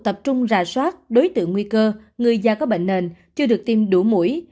tập trung rà soát đối tượng nguy cơ người da có bệnh nền chưa được tiêm đủ mũi